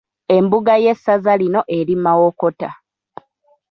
Embuga y'essaza lino eri Mawokota.